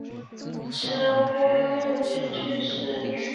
赤乌六年去世。